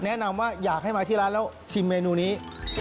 แนะนำว่าอยากให้มาที่ร้านแล้วชิมเมนูนี้